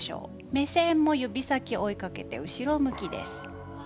目線も指先を追いかけて後ろ向きです。